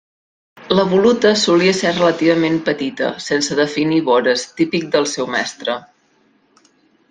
La voluta solia ser relativament petita, sense definir vores, típic del seu mestre.